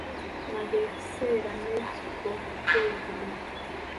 Laga ekiseera n’ekifo ky’olugero.